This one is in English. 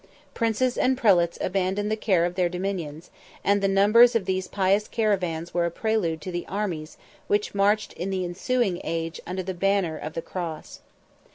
Princes and prelates abandoned the care of their dominions; and the numbers of these pious caravans were a prelude to the armies which marched in the ensuing age under the banner of the cross.